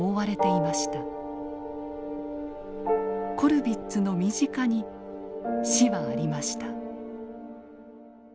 コルヴィッツの身近に死はありました。